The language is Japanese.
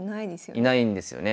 いないんですよね。